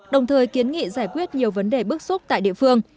đồng thời kiến nghị giải quyết nhiều vấn đề bức xúc tại địa phương